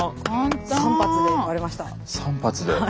３発で。